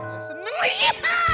gak seneng ya